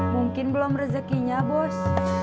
mungkin belum rezekinya bos